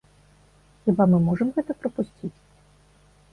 Хіба мы можам гэта прапусціць?